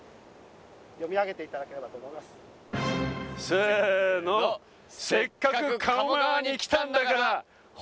読み上げていただければと思いますせーの「せっかく鴨川に来たんだから」